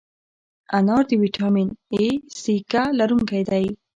انار د ویټامین A، C، K لرونکی دی.